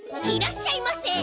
いらっしゃいませ。